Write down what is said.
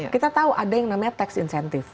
kita tahu ada yang namanya tax incentive